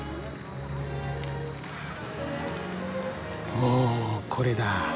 おこれだ。